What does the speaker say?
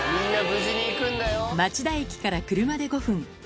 町田駅から車で５分。